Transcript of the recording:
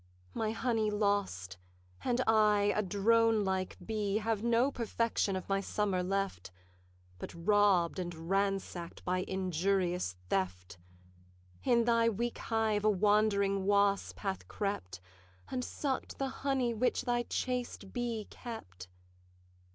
My honey lost, and I, a drone like bee, Have no perfection of my summer left, But robb'd and ransack'd by injurious theft: In thy weak hive a wandering wasp hath crept, And suck'd the honey which thy chaste bee kept.